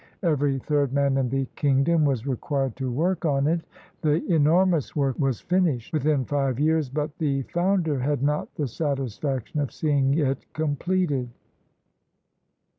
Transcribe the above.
Every third man in the kingdom was required to work on it. The 45 CHINA enormous work was finished within five years, but the founder had not the satisfaction of seeing it completed.